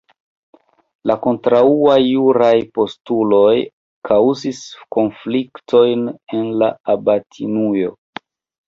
La kontraŭaj juraj postuloj kaŭzis konfliktojn en la abatinujo.